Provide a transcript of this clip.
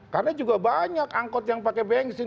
karena juga banyak angkot yang pakai bensin